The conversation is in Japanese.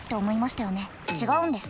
違うんです。